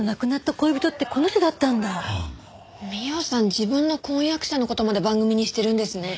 美緒さん自分の婚約者の事まで番組にしてるんですね。